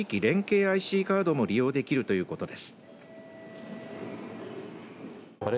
ＩＣカードも利用できるということです。